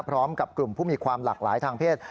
พร้อมกับกลุ่มผู้มีความหลากหลายทางเพศ